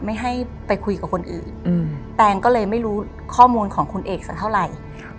ไม่ให้ไปคุยกับคนอื่นแตงก็เลยไม่รู้ข้อมูลของคุณเอกสักเท่าไหร่